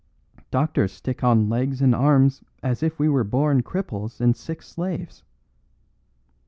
Doctors stick on legs and arms as if we were born cripples and sick slaves.